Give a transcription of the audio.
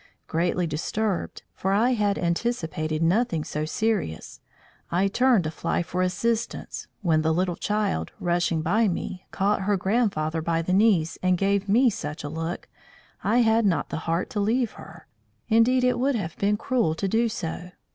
Greatly disturbed, for I had anticipated nothing so serious, I turned to fly for assistance, when the little child, rushing by me, caught her grandfather by the knees and gave me such a look, I had not the heart to leave her. Indeed it would have been cruel to do so.